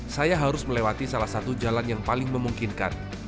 saya harus melewati salah satu jalan yang paling memungkinkan